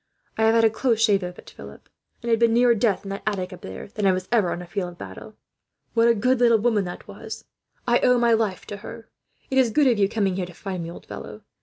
"I have had a close shave of it, Philip; and have been nearer death, in that attic up there, than I ever was on a field of battle. What a good little woman that was! I owe my life to her. "It is good of you coming here to find me, old fellow.